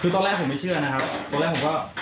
คือตอนแรกผมไม่เชื่อนะครับตอนแรกผมก็